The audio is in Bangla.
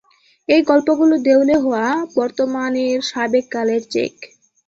এই গল্পগুলো দেউলে-হওয়া বর্তমানের সাবেক কালের চেক।